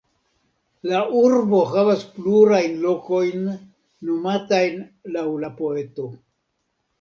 La urbo havas plurajn lokojn nomatajn laŭ la poeto.